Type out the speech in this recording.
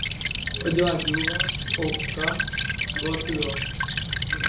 Ojoajúva oka gotyo.